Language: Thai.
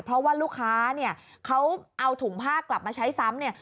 เพราะว่าลูกค้าเนี่ยเขาเอาถุงผ้ากลับมาใช้ซ้ำเนี่ย